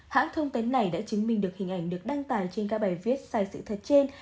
hãng thông tấn này đã chứng minh được hình ảnh được đăng tải trên các bài viết sai sự thật trên